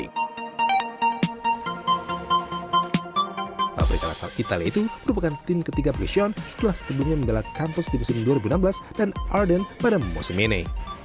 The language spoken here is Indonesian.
pabrik asal italia itu merupakan tim ketiga polision setelah sebelumnya menggalak kampus di musim dua ribu enam belas dan arden pada musim ini